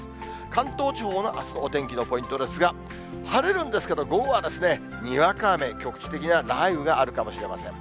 関東地方のあすのお天気のポイントですが、晴れるんですけど、午後はにわか雨、局地的な雷雨があるかもしれません。